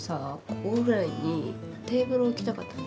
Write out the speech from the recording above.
ここぐらいにテーブル置きたかったの。